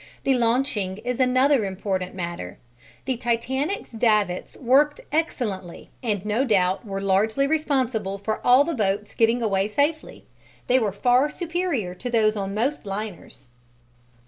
The launching is an important matter: the Titanic's davits worked excellently and no doubt were largely responsible for all the boats getting away safely: they were far superior to those on most liners.